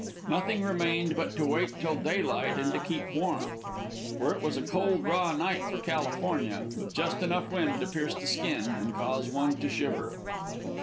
Nothing remained but to wait till daylight and to keep warm; for it was a cold, raw night for California, with just enough wind to pierce the skin and cause one to shiver.